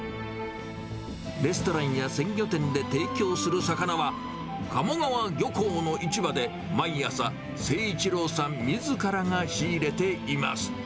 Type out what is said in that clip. レストランや鮮魚店で提供する魚は、鴨川漁港の市場で、毎朝征一郎さんみずからが仕入れています。